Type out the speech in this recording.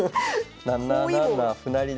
７七歩成で。